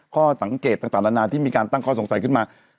ข้อสังเกตต่างนานาที่มีการตั้งข้อสงสัยขึ้นมา